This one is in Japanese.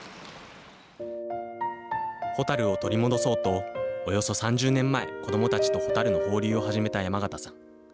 ホタルを取り戻そうと、およそ３０年前、子どもたちとホタルの放流を始めた山形さん。